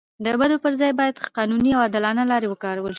د بدو پر ځای باید قانوني او عادلانه لارې وکارول سي.